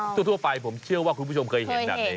ทั่วไปผมเชื่อว่าคุณผู้ชมเคยเห็นแบบนี้